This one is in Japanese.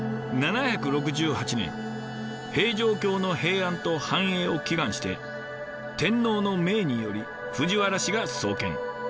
７６８年平城京の平安と繁栄を祈願して天皇の命により藤原氏が創建。